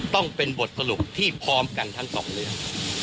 ต้องเป็นบทสรุปที่พร้อมกันทั้งสองเรื่อง